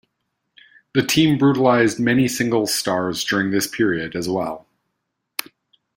The team brutalized many singles stars during this period as well.